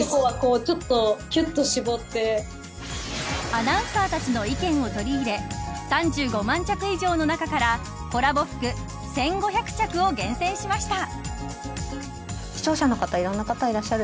アナウンサーたちの意見を取り入れ３５万着以上の中からコラボ服１５００着を厳選しました。